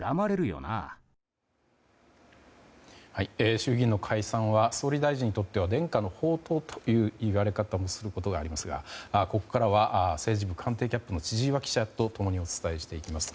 衆議院の解散は総理大臣にとっては伝家の宝刀という言われ方もすることがありますがここからは政治部官邸キャップの千々岩記者と共にお伝えしていきます。